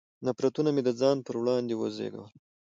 نفرتونه مې د ځان پر وړاندې وزېږول.